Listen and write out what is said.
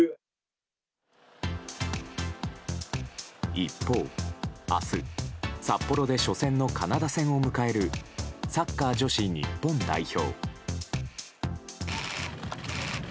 一方、明日札幌で初戦のカナダ戦を迎えるサッカー女子日本代表。